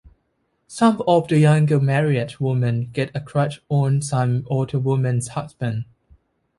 Some of the younger married women get a crush on some other woman's husband.